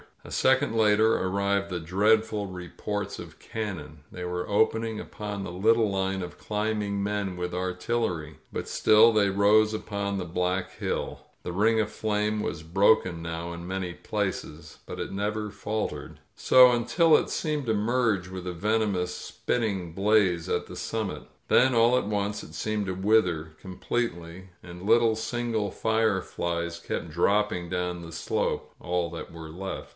A second later arrived the dreadful re ports of cannon. They were opening upon the little line of climbing men with artillery ! But still they rose upon the black hiU. The ring of flame was broken now in many places, but it never faltered. So until it seemed to merge with the venomous spitting blaze at the summit. Then all at once it seemed to wither com pletely, and little single fireflies kept dropping down the slope — all that were left.